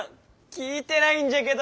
⁉聞いてないんじゃけど。